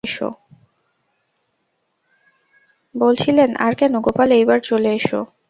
বলছিলেন, আর কেন গোপাল, এইবার চলে এসো।